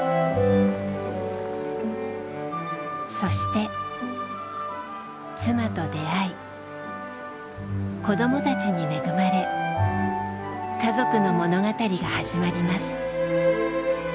そして妻と出会い子どもたちに恵まれ家族の物語が始まります。